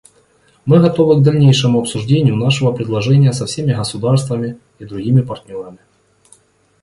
Мы готовы к дальнейшему обсуждению нашего предложения со всеми государствами и другими партнерами.